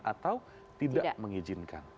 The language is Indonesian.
atau tidak mengizinkan